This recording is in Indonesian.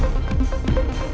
gue gak perlu dikhawatirin